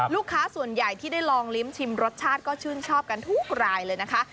ลูกค้าส่วนใหญ่ที่ได้ลองลิ้มชิมรสชาติก็ชื่นชอบกันทุกรายเลยนะคะ